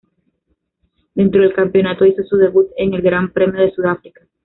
Dentro del campeonato, hizo su debut en el Gran Premio de Sudáfrica.